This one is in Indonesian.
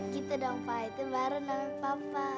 gitu dong pa itu baru namanya papa